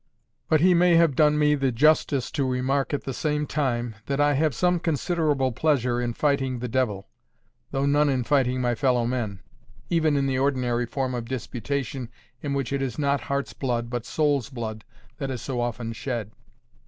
But he may have done me the justice to remark at the same time, that I have some considerable pleasure in fighting the devil, though none in fighting my fellow man, even in the ordinary form of disputation in which it is not heart's blood, but soul's blood, that is so often shed.